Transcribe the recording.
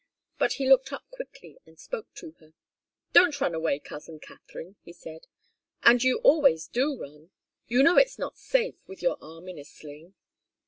But he looked up quickly and spoke to her. "Don't run away, cousin Katharine," he said. "And you always do run. You know it's not safe, with your arm in a sling."